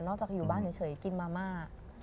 จากอยู่บ้านเฉยกินมาม่า